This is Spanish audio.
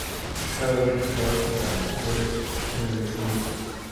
Cada uno contaba con valedores en el Ayuntamiento.